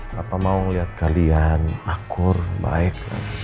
papa mau liat kalian akur baik